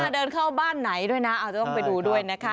เดินเข้าบ้านไหนด้วยนะอาจจะต้องไปดูด้วยนะคะ